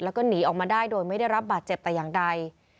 แล้วก็หนีออกมาได้โดยไม่ได้รับบาดเจ็บแต่อย่างใด